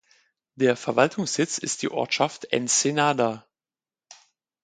Der Verwaltungssitz ist die Ortschaft Ensenada.